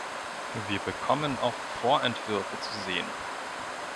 Wir bekommen auch Vorentwürfe zu sehen.